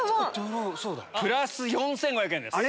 プラス４５００円です。